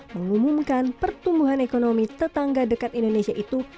mengumumkan pertumbuhan ekonomi tetangga dekat indonesia itu